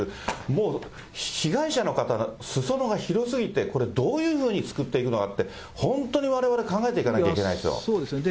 もう被害者の方のすそ野が広すぎて、これどういうふうに救っていくのか、本当にわれわれ考えていかなそうですよね。